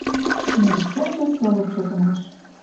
Но лицӓжӹ сылык чотымаш.